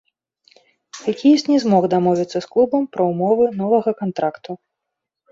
Хакеіст не змог дамовіцца з клубам пра ўмовы новага кантракту.